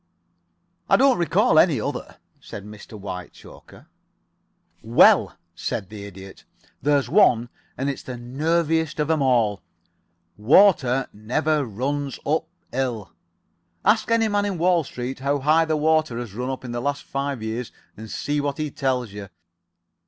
"I don't recall any other," said Mr. Whitechoker. "Well," said the Idiot, "there's one, and it's the nerviest of 'em all 'Water never runs up hill.' Ask any man in Wall Street how high the water has run up in the last five years and see what he tells you.